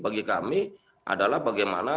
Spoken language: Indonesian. bagi kami adalah bagaimana